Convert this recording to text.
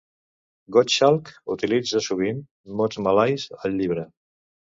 Godshalk utilitza sovint mots malais al llibre.